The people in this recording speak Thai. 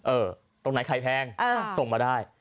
ตรงไหนไข่แพงส่งมาได้